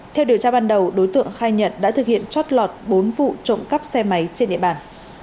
theo điều tra ban đầu đối tượng khai nhận đã thực hiện chót lọt bốn vụ trộm cắp xe máy trên địa bàn